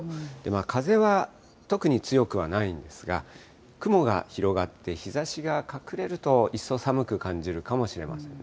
風は特に強くはないんですが、雲が広がって、日ざしが隠れると、一層寒く感じるかもしれませんね。